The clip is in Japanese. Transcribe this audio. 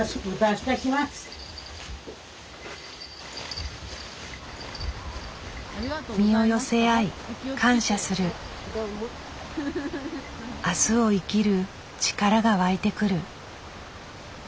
明日を生きる力が湧いてくる。